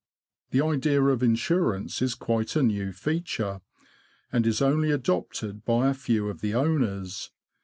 The idea of insurance is quite a new feature, and is only adopted by a few of the owners.